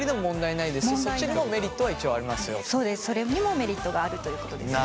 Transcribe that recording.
そうですそれにもメリットがあるということですね。